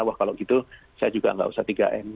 wah kalau gitu saya juga nggak usah tiga m